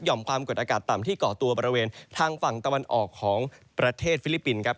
ความกดอากาศต่ำที่เกาะตัวบริเวณทางฝั่งตะวันออกของประเทศฟิลิปปินส์ครับ